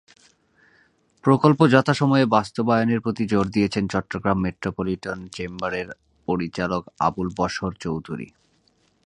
প্রকল্প যথাসময়ে বাস্তবায়নের প্রতি জোর দিয়েছেন চট্টগ্রাম মেট্রোপলিটন চেম্বারের পরিচালক আবুল বশর চৌধুরী।